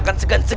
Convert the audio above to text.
apapun yang wwe